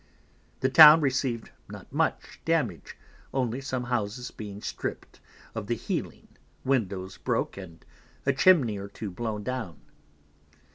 The Town receiv'd not much damage, only some Houses being stript of the Healing, Windows broke, and a Chimney or two blown down.